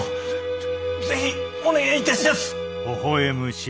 ぜ是非お願えいたしやす。